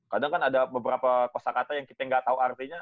kadang kan ada beberapa kosa kata yang kita nggak tahu artinya